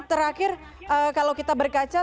terakhir kalau kita berkaca